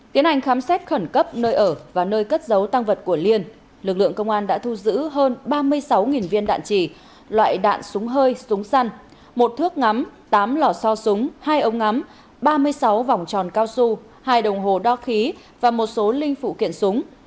tiến hành khám xét khẩn cấp nơi ở và nơi cất giấu tăng vật của liên lực lượng công an đã thu giữ hơn ba mươi sáu viên đạn chỉ loại đạn súng hơi súng săn một thước ngắm tám lò so súng hai ống ngắm ba mươi sáu vòng tròn cao su hai đồng hồ đo khí và một số linh phụ kiện súng